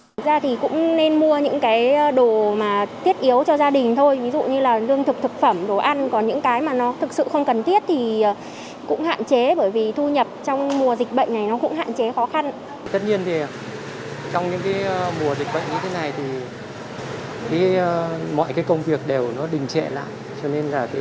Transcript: trong mùa dịch bệnh như thế này thì mọi công việc đều đình trệ lại cho nên bà con chúng tôi cũng phải chi tiêu với khả năng hết sức tiết kiệm